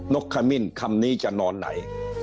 กขมิ้นคำนี้จะนอนไหน